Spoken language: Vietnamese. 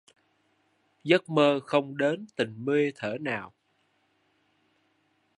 Giấc mơ không đến tình mê thuở nào